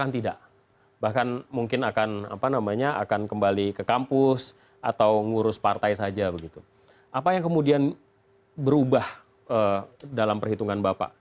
tokoh tokoh masyarakat di sumut yang meminta kalau bisa